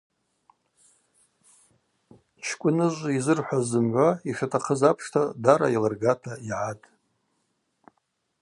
Чкӏвыныжв йзырхӏваз зымгӏва йшитахъыз апшта дара йалыргата йагӏатӏ.